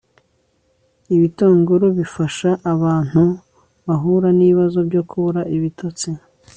ibitunguru bifasha abantu bahura n'ibibazo byo kubura ibitotsi